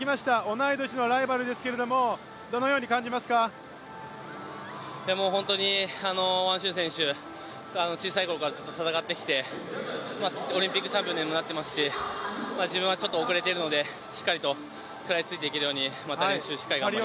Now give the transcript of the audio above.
同い年のライバルですけれども本当に小さい頃からずっと戦ってきてオリンピックチャンピオンにもなっていますし、自分はちょっと遅れているので、しっかり食らいついていけるようにまた練習しっかり頑張ります。